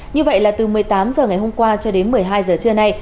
như vậy là từ một mươi tám h ngày hôm qua cho đến một mươi hai giờ trưa nay